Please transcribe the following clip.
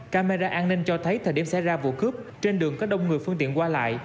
camera an ninh cho thấy thời điểm xảy ra vụ cướp trên đường có đông người phương tiện qua lại